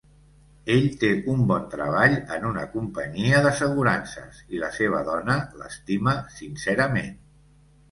Ell té un bon treball en una companyia d'assegurances i la seva dona l'estima sincerament.